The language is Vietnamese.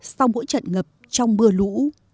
sau mỗi trận ngập trong mưa lũ